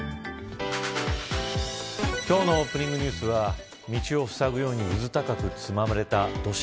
今日のオープニングニュースは道をふさぐようにうず高く積まれた土砂。